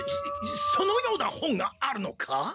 そそのような本があるのか？